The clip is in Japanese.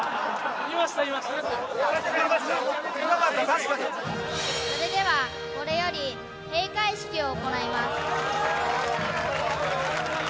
確かにそれではこれより閉会式を行います